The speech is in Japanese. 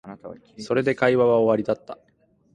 それで会話は終わりだった